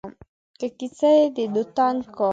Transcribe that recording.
که کيسه يې د دوتک کا